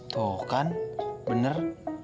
tuh kan bener